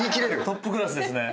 トップクラスですね。